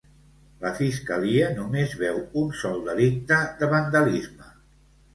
La Fiscalia només veu un sol delicte de vandalisme.